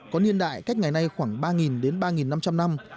có niên đại cách ngày nay khoảng ba đến ba năm trăm linh năm